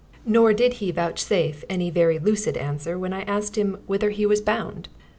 Nor did he vouchsafe any very lucid answer when I asked him whither he was bound.